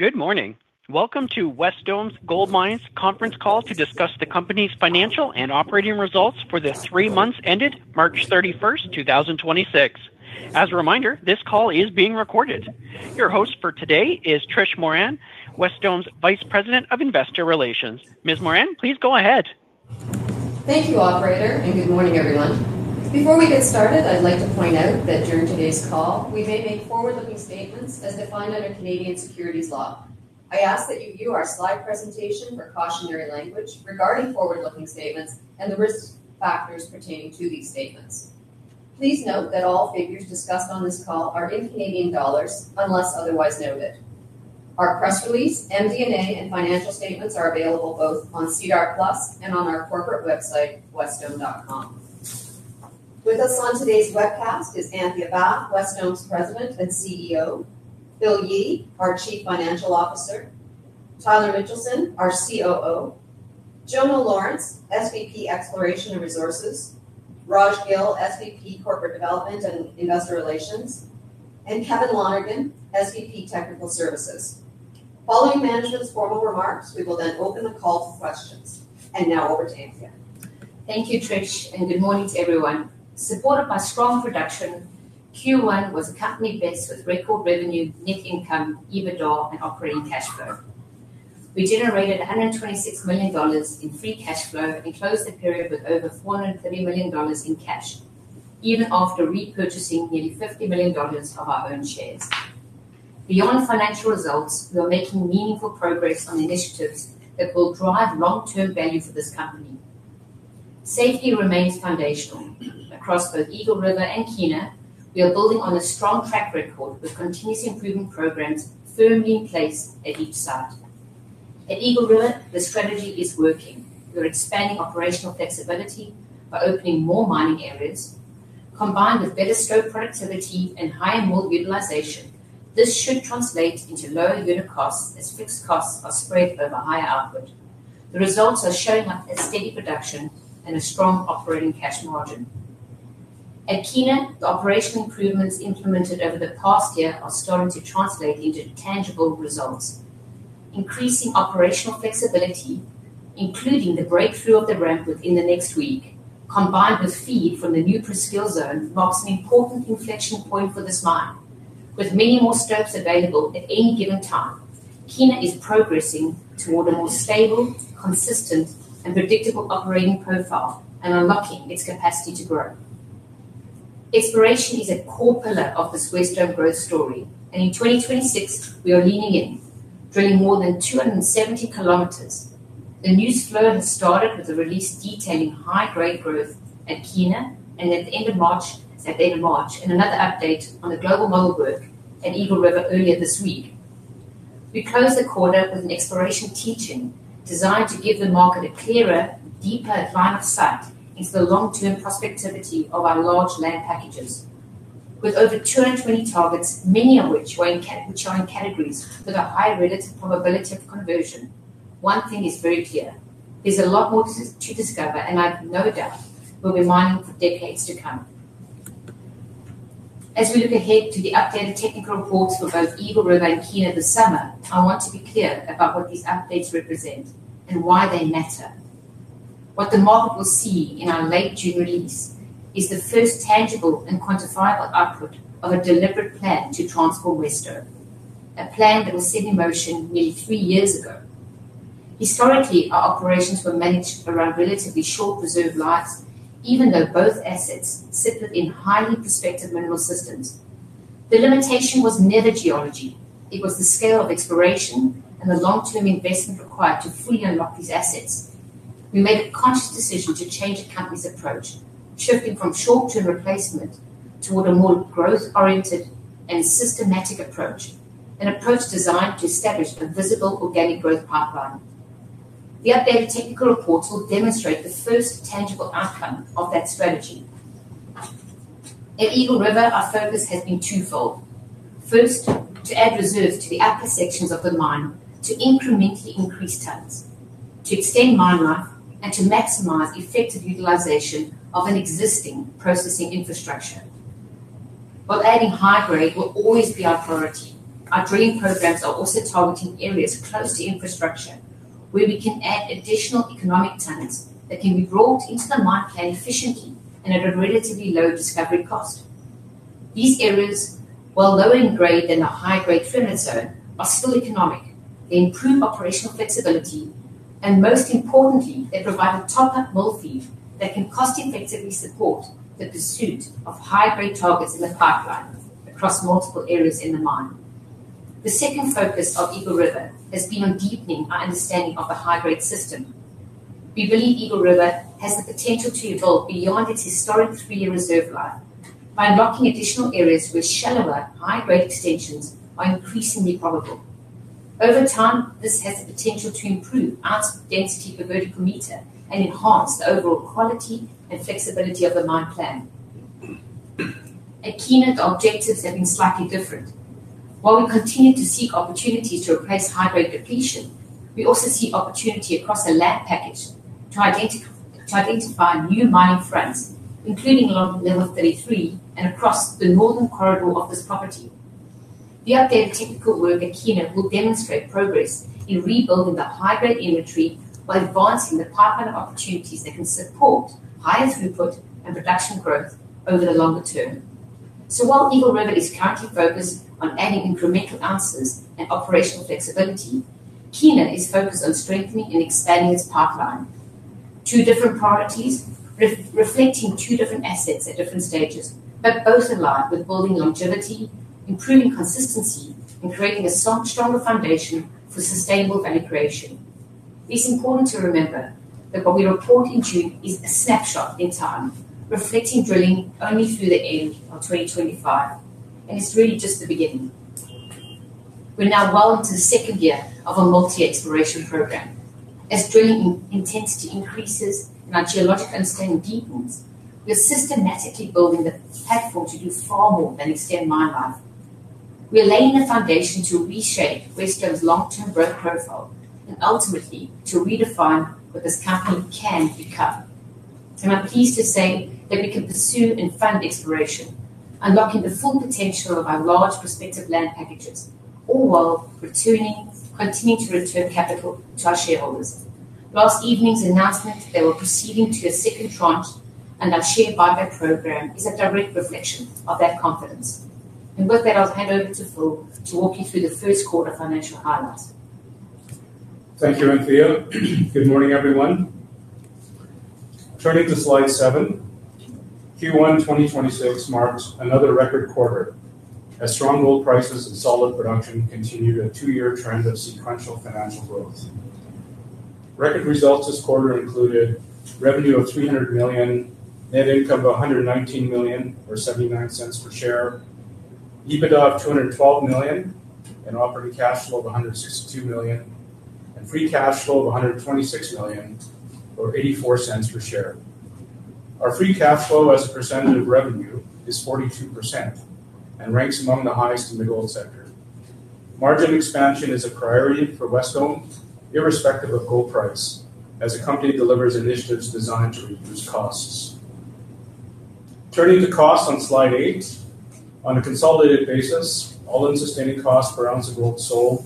Good morning. Welcome to Wesdome Gold Mines conference call to discuss the company's financial and operating results for the three months ended March 31st, 2026. As a reminder, this call is being recorded. Your host for today is Trish Moran, Wesdome's Vice President of Investor Relations. Ms. Moran, please go ahead. Thank you, operator, and good morning, everyone. Before we get started, I'd like to point out that during today's call, we may make forward-looking statements as defined under Canadian securities law. I ask that you view our slide presentation for cautionary language regarding forward-looking statements and the risk factors pertaining to these statements. Please note that all figures discussed on this call are in Canadian dollars unless otherwise noted. Our press release, MD&A, and financial statements are available both on SEDAR+ and on our corporate website, wesdome.com. With us on today's webcast is Anthea Bath, Wesdome's President and CEO; Phil Yee, our Chief Financial Officer; Tyler Mitchelson, our COO; Jono Lawrence, SVP, Exploration and Resources; Raj Gill, SVP, Corporate Development and Investor Relations; and Kevin Lonergan, SVP, Technical Services. Following management's formal remarks, we will then open the call for questions. Now over to Anthea. Thank you, Trish, and good morning to everyone. Supported by strong production, Q1 was a company best with record revenue, net income, EBITDA, and operating cash flow. We generated 126 million dollars in free cash flow and closed the period with over 430 million dollars in cash, even after repurchasing nearly 50 million dollars of our own shares. Beyond financial results, we are making meaningful progress on initiatives that will drive long-term value for this company. Safety remains foundational across both Eagle River and Kiena. We are building on a strong track record with continuous improvement programs firmly in place at each site. At Eagle River, the strategy is working. We are expanding operational flexibility by opening more mining areas. Combined with better stope productivity and higher mold utilization, this should translate into lower unit costs as fixed costs are spread over higher output. The results are showing up as steady production and a strong operating cash margin. At Kiena, the operational improvements implemented over the past year are starting to translate into tangible results. Increasing operational flexibility, including the breakthrough of the ramp within the next week, combined with feed from the new Presqu'ile Zone, marks an important inflection point for this mine. With many more stopes available at any given time, Kiena is progressing toward a more stable, consistent, and predictable operating profile and unlocking its capacity to grow. Exploration is a core pillar of this Wesdome growth story, and in 2026 we are leaning in, drilling more than 270 km. The news flow has started with a release detailing high-grade growth at Kiena, and at the end of March in another update on the global model work at Eagle River earlier this week. We closed the quarter with an exploration teaching designed to give the market a clearer, deeper line of sight into the long-term prospectivity of our large land packages. With over 220 targets, many of which are in categories that are high relative probability of conversion, one thing is very clear, there's a lot more to discover, and I've no doubt we'll be mining for decades to come. As we look ahead to the updated technical reports for both Eagle River and Kiena this summer, I want to be clear about what these updates represent and why they matter. What the market will see in our late June release is the first tangible and quantifiable output of a deliberate plan to transform Wesdome, a plan that was set in motion nearly three years ago. Historically, our operations were managed around relatively short reserve lives, even though both assets sit within highly prospective mineral systems. The limitation was never geology. It was the scale of exploration and the long-term investment required to fully unlock these assets. We made a conscious decision to change the company's approach, shifting from short-term replacement toward a more growth-oriented and systematic approach, an approach designed to establish a visible organic growth pipeline. The updated technical reports will demonstrate the first tangible outcome of that strategy. At Eagle River, our focus has been twofold. First, to add reserves to the upper sections of the mine to incrementally increase tonnes, to extend mine life, and to maximize effective utilization of an existing processing infrastructure. While adding high-grade will always be our priority, our drilling programs are also targeting areas close to infrastructure where we can add additional economic tonnes that can be brought into the mine plan efficiently and at a relatively low discovery cost. These areas, while lower in grade than the high-grade Falcon Zone, are still economic. They improve operational flexibility, and most importantly, they provide a top-up mill feed that can cost-effectively support the pursuit of high-grade targets in the pipeline across multiple areas in the mine. The second focus of Eagle River has been on deepening our understanding of the high-grade system. We believe Eagle River has the potential to evolve beyond its historic three-year reserve life by unlocking additional areas with shallower, high-grade extensions are increasingly probable. Over time, this has the potential to improve ounce density per vertical meter and enhance the overall quality and flexibility of the mine plan. At Kiena, the objectives have been slightly different. While we continue to seek opportunities to replace high-grade depletion. We also see opportunity across a land package to identify new mining fronts, including along level 33 and across the northern corridor of this property. The updated technical work at Kiena will demonstrate progress in rebuilding the high-grade inventory while advancing the pipeline of opportunities that can support higher throughput and production growth over the longer term. While Eagle River is currently focused on adding incremental ounces and operational flexibility, Kiena is focused on strengthening and expanding its pipeline. Two different priorities reflecting two different assets at different stages, but both aligned with building longevity, improving consistency and creating a stronger foundation for sustainable value creation. It's important to remember that what we report in June is a snapshot in time, reflecting drilling only through the end of 2025, and it's really just the beginning. We're now well into the second year of a multi-exploration program. As drilling intensity increases and our geological understanding deepens, we're systematically building the platform to do far more than extend mine life. We are laying the foundation to reshape Wesdome's long-term growth profile and ultimately to redefine what this company can become. I'm pleased to say that we can pursue and fund exploration, unlocking the full potential of our large prospective land packages, all while continuing to return capital to our shareholders. Last evening's announcement that we're proceeding to a second tranche under our share buyback program is a direct reflection of that confidence. With that, I'll hand over to Phil to walk you through the first quarter financial highlights. Thank you, Anthea. Good morning, everyone. Turning to slide seven. Q1 2026 marks another record quarter as strong gold prices and solid production continued a two-year trend of sequential financial growth. Record results this quarter included revenue of 300 million, net income of 119 million or 0.79 per share, EBITDA of 212 million and operating cash flow of 162 million, and free cash flow of 126 million or 0.84 per share. Our free cash flow as a percentage of revenue is 42% and ranks among the highest in the gold sector. Margin expansion is a priority for Wesdome, irrespective of gold price, as the company delivers initiatives designed to reduce costs. Turning to costs on slide eight. On a consolidated basis, all-in sustaining costs per ounce of gold sold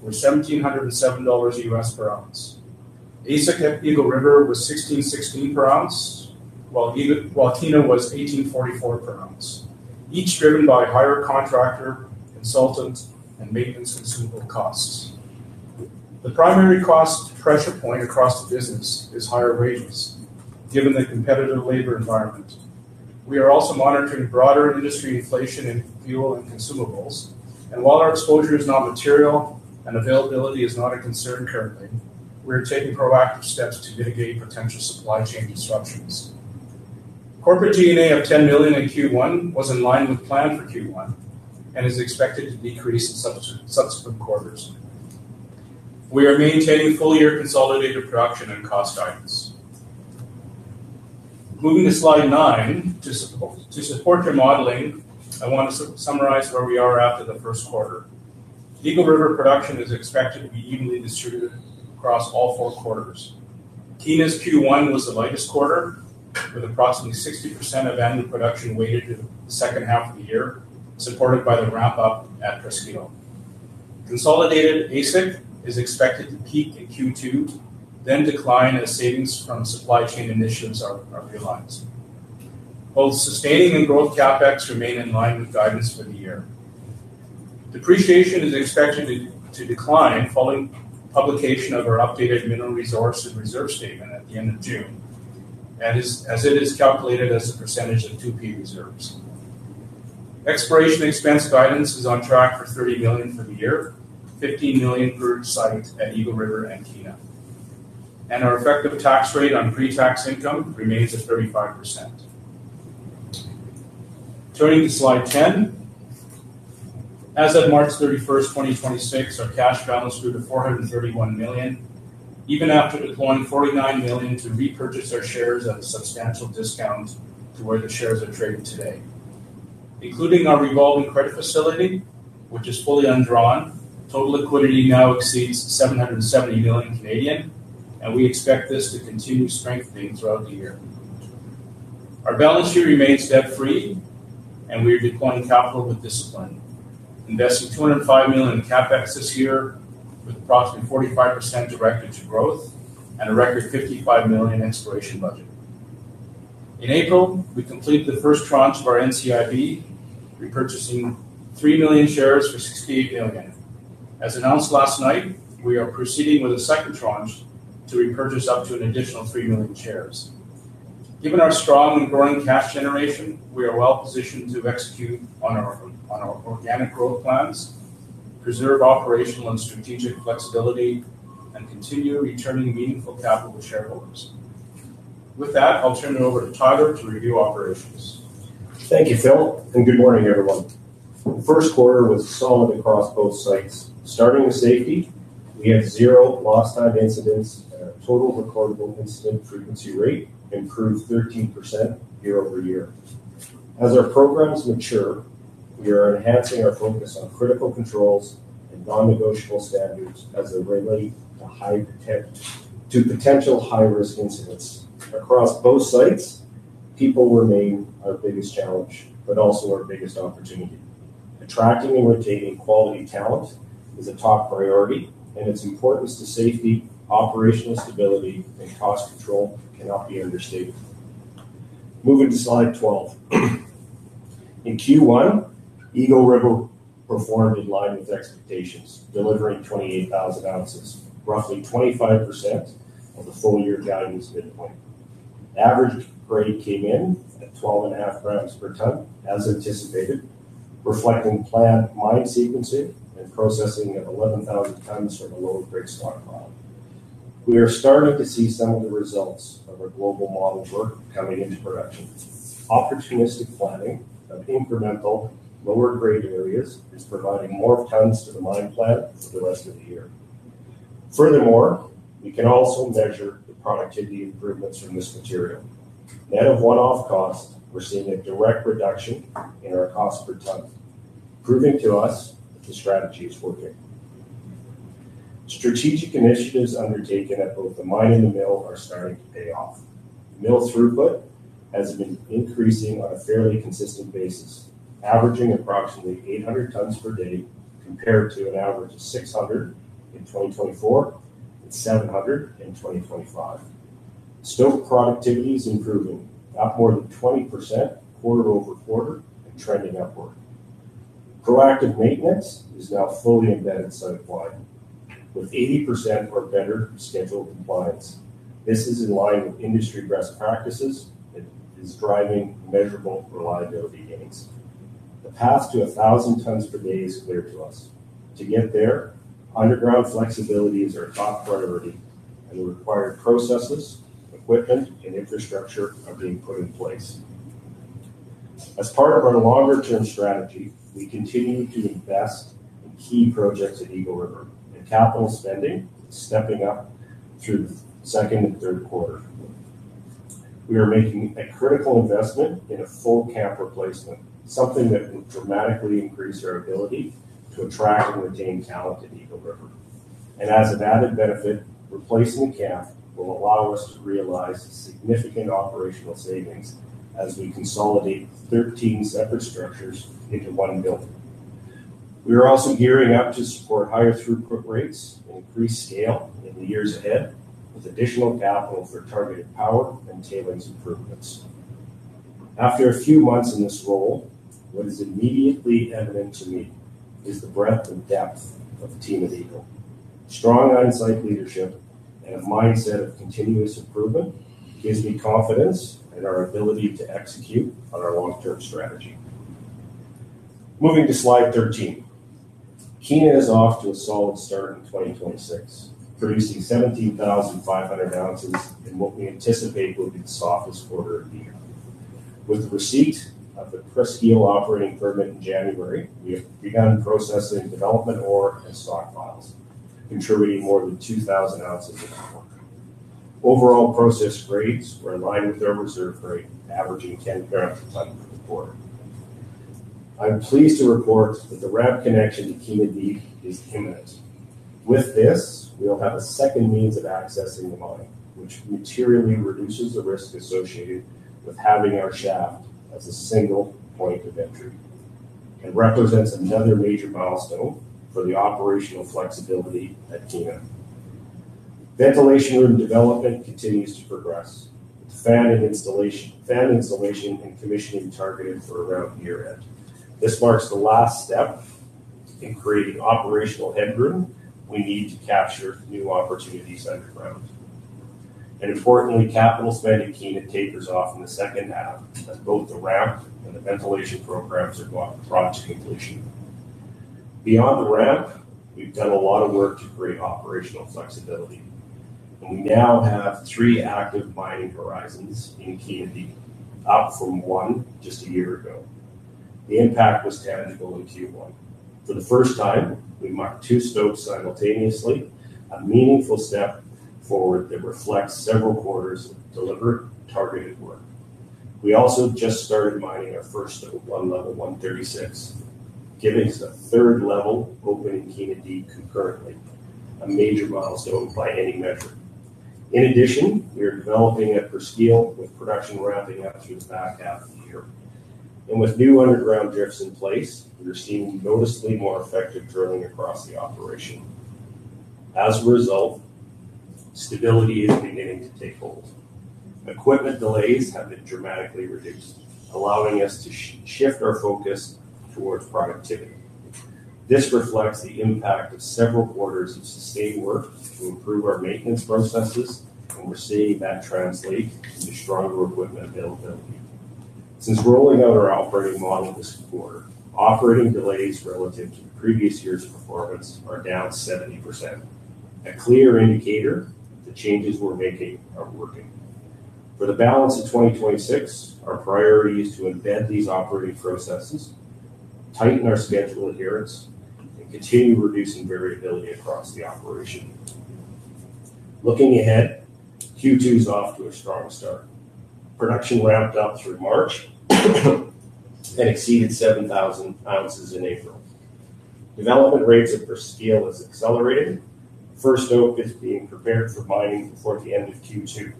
were $1,707 US per ounce. AISC at Eagle River was $1,616 per ounce, while Kiena was $1,844 per ounce, each driven by higher contractor, consultant, and maintenance consumable costs. The primary cost pressure point across the business is higher wages given the competitive labor environment. We are also monitoring broader industry inflation in fuel and consumables. While our exposure is not material and availability is not a concern currently, we are taking proactive steps to mitigate potential supply chain disruptions. Corporate G&A of 10 million in Q1 was in line with plan for Q1 and is expected to decrease in subsequent quarters. We are maintaining full-year consolidated production and cost guidance. Moving to slide nine. To support your modeling, I want to summarize where we are after the first quarter. Eagle River production is expected to be evenly distributed across all four quarters. Kiena's Q1 was the lightest quarter, with approximately 60% of annual production weighted to the second half of the year, supported by the ramp up at Presqu'ile. Consolidated AISC is expected to peak in Q2, then decline as savings from supply chain initiatives are realized. Both sustaining and growth CapEx remain in line with guidance for the year. Depreciation is expected to decline following publication of our updated mineral resource and reserve statement at the end of June, as it is calculated as a percentage of 2P reserves. Exploration expense guidance is on track for 30 million for the year, 15 million per site at Eagle River and Kiena. Our effective tax rate on pre-tax income remains at 35%. Turning to slide 10. As of March 31st, 2026, our cash balance grew to 431 million, even after deploying 49 million to repurchase our shares at a substantial discount to where the shares are trading today. Including our revolving credit facility, which is fully undrawn, total liquidity now exceeds 770 million, and we expect this to continue strengthening throughout the year. Our balance sheet remains debt-free, and we are deploying capital with discipline, investing 205 million in CapEx this year, with approximately 45% directed to growth and a record 55 million exploration budget. In April, we completed the first tranche of our NCIB, repurchasing 3 million shares for 68 million. As announced last night, we are proceeding with a second tranche to repurchase up to an additional 3 million shares. Given our strong and growing cash generation, we are well positioned to execute on our organic growth plans, preserve operational and strategic flexibility, and continue returning meaningful capital to shareholders. With that, I'll turn it over to Tyler to review operations. Thank you, Phil. Good morning, everyone. First quarter was solid across both sites. Starting with safety, we had zero lost time incidents and our total recordable incident frequency rate improved 13% year-over-year. As our programs mature We are enhancing our focus on critical controls and non-negotiable standards as they relate to potential high-risk incidents. Across both sites, people remain our biggest challenge, but also our biggest opportunity. Attracting and retaining quality talent is a top priority, and its importance to safety, operational stability, and cost control cannot be understated. Moving to slide 12. In Q1, Eagle River performed in line with expectations, delivering 28,000 ounces, roughly 25% of the full-year guidance midpoint. Average grade came in at 12.5 g per tonne as anticipated, reflecting plant mine sequencing and processing of 11,000 tonnes from a lower-grade stock pile. We are starting to see some of the results of our global model work coming into production. Opportunistic planning of incremental lower-grade areas is providing more tonnes to the mine plan for the rest of the year. Furthermore, we can also measure the productivity improvements from this material. Net of one-off cost, we're seeing a direct reduction in our cost per tonne, proving to us that the strategy is working. Strategic initiatives undertaken at both the mine and the mill are starting to pay off. Mill throughput has been increasing on a fairly consistent basis, averaging approximately 800 tonnes per day compared to an average of 600 in 2024 and 700 in 2025. Stope productivity is improving at more than 20% quarter-over-quarter and trending upward. Proactive maintenance is now fully embedded site-wide with 80% or better scheduled compliance. This is in line with industry best practices and is driving measurable reliability gains. The path to 1,000 tonnes per day is clear to us. To get there, underground flexibility is our top priority, and the required processes, equipment, and infrastructure are being put in place. As part of our longer-term strategy, we continue to invest in key projects at Eagle River and capital spending is stepping up through the second and third quarter. We are making a critical investment in a full camp replacement, something that will dramatically increase our ability to attract and retain talent at Eagle River. As an added benefit, replacing the camp will allow us to realize significant operational savings as we consolidate 13 separate structures into one building. We are also gearing up to support higher throughput rates and increase scale in the years ahead with additional capital for targeted power and tailings improvements. After a few months in this role, what is immediately evident to me is the breadth and depth of the team at Eagle. Strong on-site leadership and a mindset of continuous improvement gives me confidence in our ability to execute on our long-term strategy. Moving to slide 13. Kiena is off to a solid start in 2026, producing 17,500 ounces in what we anticipate will be the softest quarter of the year. With the receipt of the Presqu'ile operating permit in January, we have begun processing development ore and stockpiles, contributing more than 2,000 ounces in Q1. Overall processed grades were in line with our reserve grade, averaging 10 g per tonne for the quarter. I'm pleased to report that the ramp connection to Kiena Deep is imminent. With this, we'll have a second means of accessing the mine, which materially reduces the risk associated with having our shaft as a single point of entry and represents another major milestone for the operational flexibility at Kiena. Ventilation room development continues to progress with fan installation and commissioning targeted for around year-end. This marks the last step in creating operational headroom we need to capture new opportunities underground. Importantly, capital spend at Kiena tapers off in the second half as both the ramp and the ventilation programs are brought to completion. Beyond the ramp, we've done a lot of work to create operational flexibility, and we now have three active mining horizons in Kiena Deep, up from one just a year ago. The impact was tangible in Q1. For the first time, we marked two stopes simultaneously, a meaningful step forward that reflects several quarters of deliberate, targeted work. We also just started mining our first stope at one level 136, giving us 1/3 level open in Kiena Deep concurrently, a major milestone by any measure. In addition, we are developing at Presqu'ile with production ramping up through the back half of the year. With new underground drifts in place, we are seeing noticeably more effective drilling across the operation. As a result, stability is beginning to take hold. Equipment delays have been dramatically reduced, allowing us to shift our focus towards productivity. This reflects the impact of several quarters of sustained work to improve our maintenance processes, and we're seeing that translate into stronger equipment availability. Since rolling out our operating model this quarter, operating delays relative to the previous year's performance are down 70%, a clear indicator the changes we're making are working. For the balance of 2026, our priority is to embed these operating processes, tighten our schedule adherence, and continue reducing variability across the operation. Looking ahead, Q2 is off to a strong start. Production ramped up through March and exceeded 7,000 ounces in April. Development rates at Presqu'ile has accelerated. First ore is being prepared for mining before the end of Q2.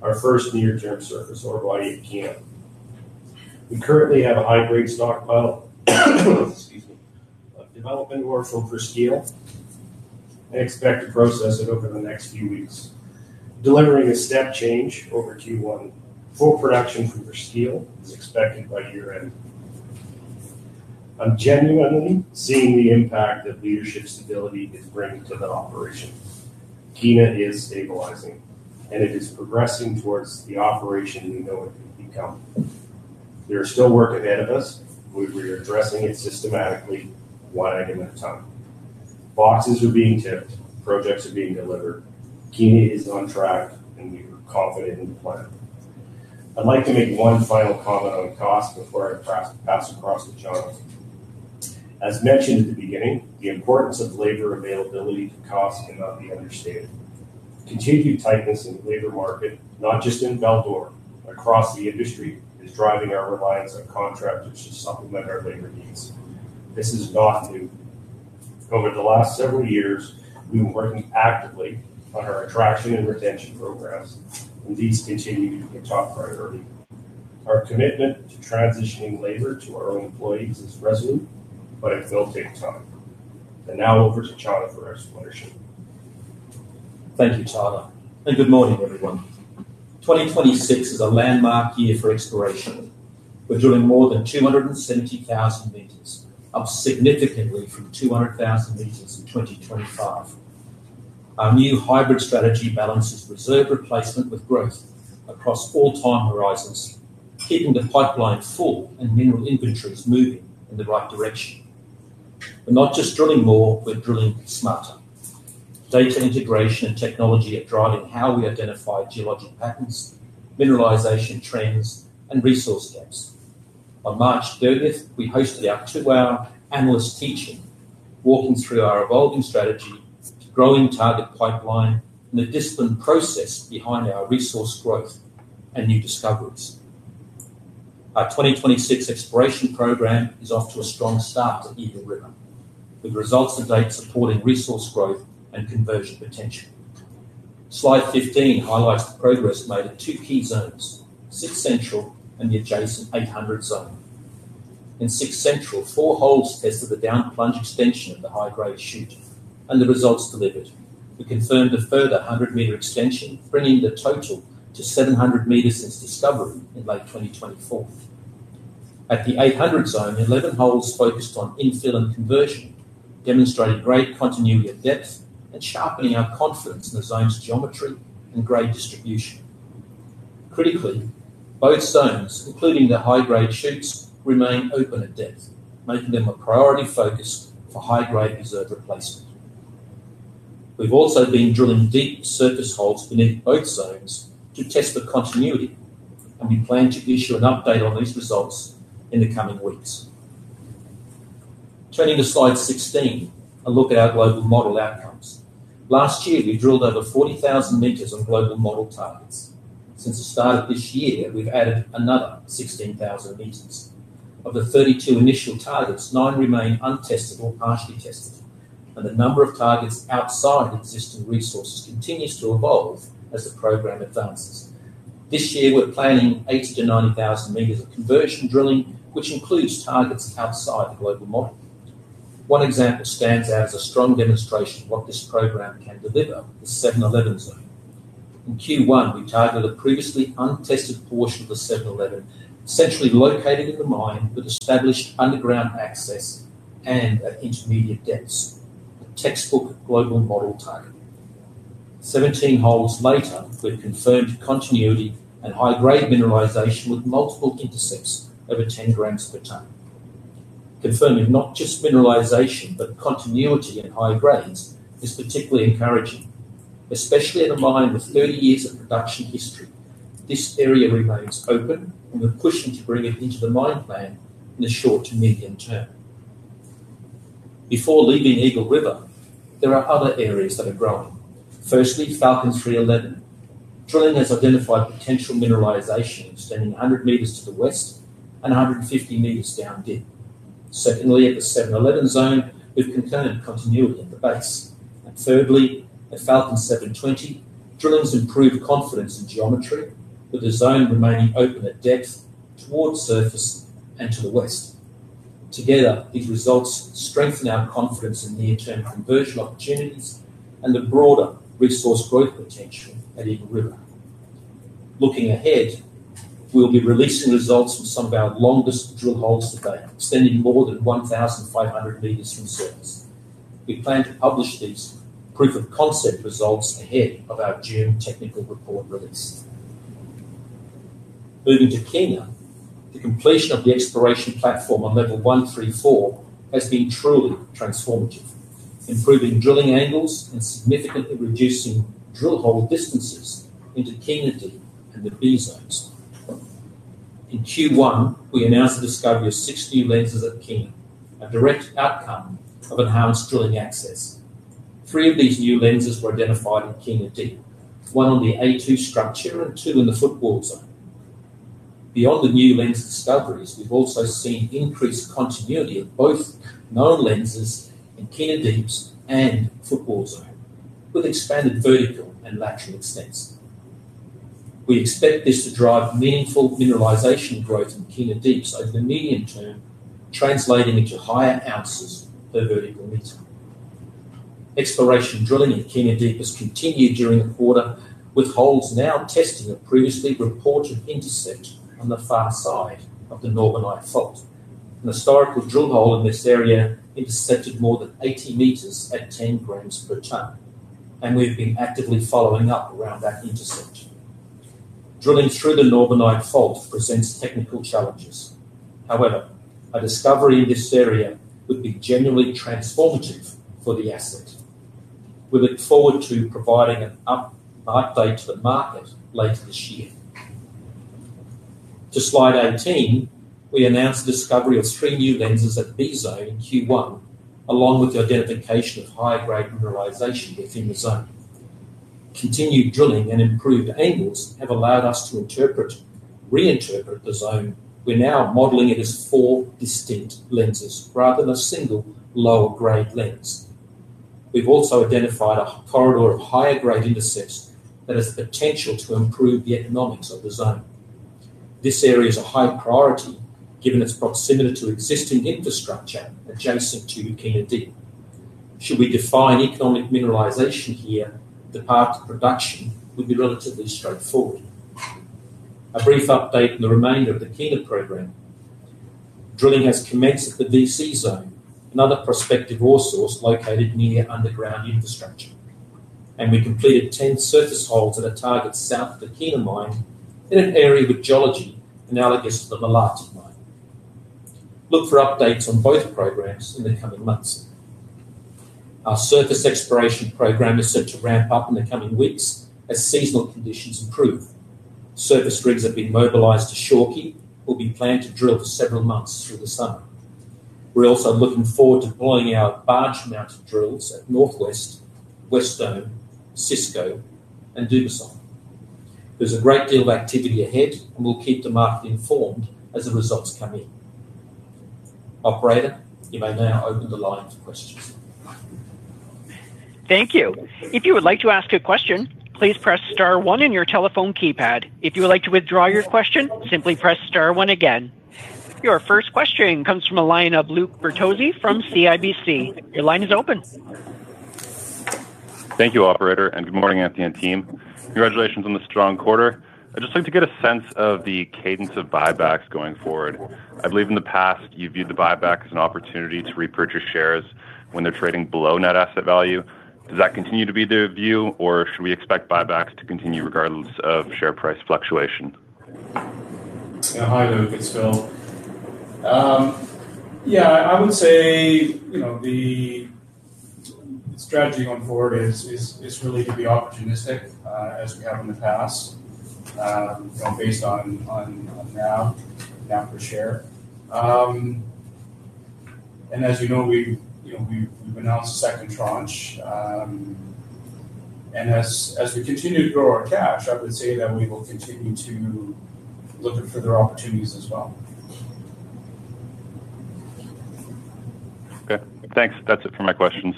Our first near-term surface ore body of camp. We currently have a high-grade stockpile excuse me, of development ore from Presqu'ile and expect to process it over the next few weeks, delivering a step change over Q1. Full production from Presqu'ile is expected by year-end. I'm genuinely seeing the impact that leadership stability is bringing to the operation. Kiena is stabilizing, and it is progressing towards the operation we know it can become. There is still work ahead of us. We're addressing it systematically, one leg at a time. Boxes are being ticked, projects are being delivered. Kiena is on track, and we are confident in the plan. I'd like to make one final comment on cost before I pass across to Jono. As mentioned at the beginning, the importance of labor availability to cost cannot be understated. Continued tightness in the labor market, not just in Val-d'Or, across the industry, is driving our reliance on contractors to supplement our labor needs. This is not new. Over the last several years, we've been working actively on our attraction and retention programs, these continue to be a top priority. Our commitment to transitioning labor to our own employees is resolute, it will take time. Now over to Jono for exploration. Thank you, Tyler, and good morning, everyone. 2026 is a landmark year for exploration. We're drilling more than 270,000 m, up significantly from 200,000 m in 2025. Our new hybrid strategy balances reserve replacement with growth across all time horizons, keeping the pipeline full and mineral inventories moving in the right direction. We're not just drilling more, we're drilling smarter. Data integration and technology are driving how we identify geological patterns, mineralization trends, and resource gaps. On March 31st, we hosted our two-hour analyst teaching, walking through our evolving strategy, growing target pipeline, and the disciplined process behind our resource growth and new discoveries. Our 2026 exploration program is off to a strong start at Eagle River, with results to date supporting resource growth and conversion potential. Slide 15 highlights the progress made at two key zones, 6 Central and the adjacent 800 Zone. In 6 Central, four holes tested a down plunge extension of the high-grade chute, and the results delivered. We confirmed a further 100-m extension, bringing the total to 700 m since discovery in late 2024. At the 800 Zone, 11 holes focused on infill and conversion, demonstrating great continuity at depth and sharpening our confidence in the zone's geometry and grade distribution. Critically, both zones, including their high-grade chutes, remain open at depth, making them a priority focus for high-grade reserve replacement. We've also been drilling deep surface holes beneath both zones to test for continuity, and we plan to issue an update on these results in the coming weeks. Turning to slide 16, a look at our global model outcomes. Last year, we drilled over 40,000 m on global model targets. Since the start of this year, we've added another 16,000 m. Of the 32 initial targets, 9 remain untested or partially tested, and the number of targets outside existing resources continues to evolve as the program advances. This year, we're planning 80,000-90,000 m of conversion drilling, which includes targets outside the global model. One example stands out as a strong demonstration of what this program can deliver, the 711 Zone. In Q1, we targeted a previously untested portion of the 711, centrally located at the mine with established underground access and at intermediate depths. A textbook global model target. 17 holes later, we've confirmed continuity and high-grade mineralization with multiple intersects over 10 g per tonne. Confirming not just mineralization, but continuity at high grades is particularly encouraging, especially in a mine with 30 years of production history. This area remains open, we're pushing to bring it into the mine plan in the short to medium term. Before leaving Eagle River, there are other areas that are growing. Firstly, Falcon 311. Drilling has identified potential mineralization extending 100 m to the west and 150 m down deep. Secondly, at the 711 Zone, we've confirmed continuity at the base. Thirdly, at Falcon 720, drilling's improved confidence in geometry, with the zone remaining open at depth towards surface and to the west. Together, these results strengthen our confidence in near-term conversion opportunities and the broader resource growth potential at Eagle River. Looking ahead, we'll be releasing results from some of our longest drill holes to date, extending more than 1,500 m from surface. We plan to publish these proof-of-concept results ahead of our June technical report release. Moving to Kiena, the completion of the exploration platform on level 134 has been truly transformative, improving drilling angles and significantly reducing drill hole distances into Kiena Deep and the B Zones. In Q1, we announced the discovery of six new lenses at Kiena, a direct outcome of enhanced drilling access. Three of these new lenses were identified in Kiena Deep, one on the A2 structure and two in the Footwall Zone. Beyond the new lens discoveries, we've also seen increased continuity of both known lenses in Kiena Deep and Footwall Zone, with expanded vertical and lateral extents. We expect this to drive meaningful mineralization growth in Kiena Deep over the medium term, translating into higher ounces per vertical meter. Exploration drilling at Kiena Deep has continued during the quarter, with holes now testing a previously reported intercept on the far side of the Norbenite Fault. An historical drill hole in this area intercepted more than 80 m at 10 g per tonne, and we've been actively following up around that intercept. Drilling through the Norbenite Fault presents technical challenges. However, a discovery in this area would be genuinely transformative for the asset. We look forward to providing an update to the market later this year. To slide 18, we announced the discovery of three new lenses at B Zone in Q1, along with the identification of high-grade mineralization within the zone. Continued drilling and improved angles have allowed us to reinterpret the zone. We're now modeling it as four distinct lenses rather than a single lower-grade lens. We've also identified a corridor of higher-grade intercepts that has the potential to improve the economics of the zone. This area is a high priority given its proximity to existing infrastructure adjacent to Kiena Deep. Should we define economic mineralization here, the path to production would be relatively straightforward. A brief update on the remainder of the Kiena program. Drilling has commenced at the VC Zone, another prospective ore source located near underground infrastructure. We completed 10 surface holes at a target south of the Kiena Mine in an area with geology analogous to the Malartic Mine. Look for updates on both programs in the coming months. Our surface exploration program is set to ramp up in the coming weeks as seasonal conditions improve. Surface rigs have been mobilized to Shawkey, where we plan to drill for several months through the summer. We're also looking forward to deploying our barge-mounted drills at Northwest, Wesdome Zone, Siscoe and Dubuisson Zone. There's a great deal of activity ahead, and we'll keep the market informed as the results come in. Operator, you may now open the line for questions. Thank you. If you would like to ask a question, please press star one on your telephone keypad. If you would like to withdraw your question, simply press star one again. Your first question comes from the line of Luke Bertozzi from CIBC. Your line is open. Thank you, operator. Good morning, Wesdome team. Congratulations on the strong quarter. I'd just like to get a sense of the cadence of buybacks going forward. I believe in the past, you viewed the buyback as an opportunity to repurchase shares when they're trading below net asset value. Does that continue to be the view, or should we expect buybacks to continue regardless of share price fluctuation? Hi, Luke. It's Phil. I would say, you know, the strategy going forward is really to be opportunistic as we have in the past, you know, based on NAV per share. As you know, we've, you know, we've announced the second tranche. As we continue to grow our cash, I would say that we will continue to look for further opportunities as well. Okay. Thanks. That's it for my questions.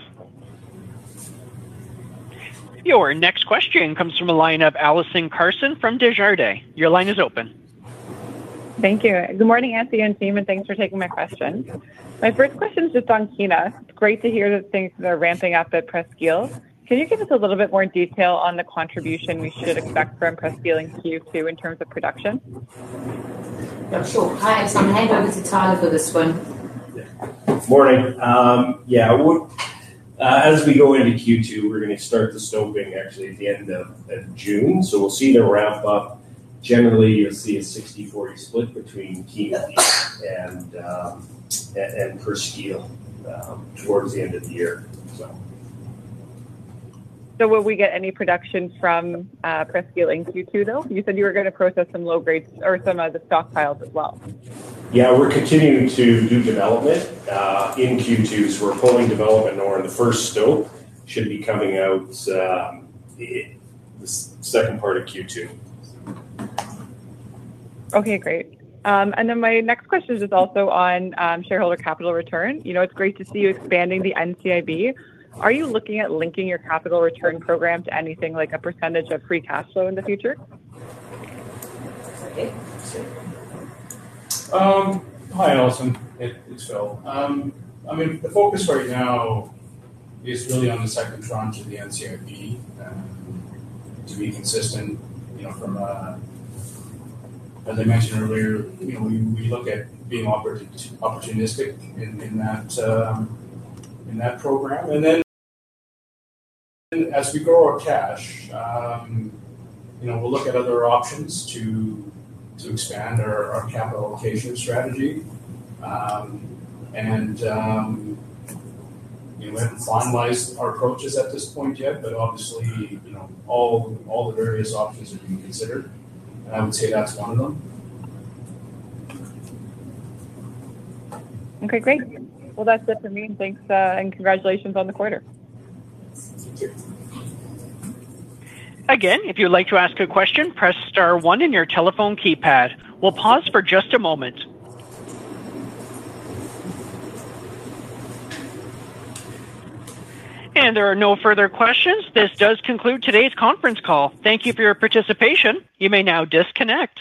Your next question comes from the line of Allison Carson from Desjardins. Your line is open. Thank you. Good morning, Anthea Bath team, and thanks for taking my question. My first question is just on Kiena. It's great to hear that things are ramping up at Presqu'ile. Can you give us a little bit more detail on the contribution we should expect from Presqu'ile in Q2 in terms of production? Yeah, sure. Hi, Allison. Hand over to Tyler for this one. Yeah. Morning. Yeah. As we go into Q2, we're going to start the stoping actually at the end of June. We'll see the ramp up. Generally, you'll see a 60-40 split between Kiena Deep and Presqu'ile towards the end of the year. Will we get any production from Presqu'ile in Q2, though? You said you were gonna process some low grades or some of the stockpiles as well. Yeah. We're continuing to do development in Q2. We're pulling development ore. The first stope should be coming out this second part of Q2. Okay. Great. My next question is just also on shareholder capital return. You know, it's great to see you expanding the NCIB. Are you looking at linking your capital return program to anything like a percentage of free cash flow in the future? Okay. Sure. Hi, Allison. It's Phil. I mean, the focus right now is really on the second tranche of the NCIB, to be consistent, you know, from a As I mentioned earlier, you know, we look at being opportunistic in that, in that program. As we grow our cash, you know, we'll look at other options to expand our capital allocation strategy. We haven't finalized our approaches at this point yet, but obviously, you know, all the various options are being considered, and I would say that's one of them. Okay. Great. Well, that's it for me. Thanks, and congratulations on the quarter. Thank you. Again, if you'd like to ask a question, press star one in your telephone keypad. We'll pause for just a moment. There are no further questions. This does conclude today's conference call. Thank you for your participation. You may now disconnect.